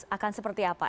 akan seperti apa